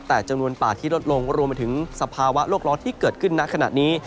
แต่จำนวนป่าที่ลดลงรวมไปถึงสภาวะโลกร้อนที่เกิดขึ้นณขณะนี้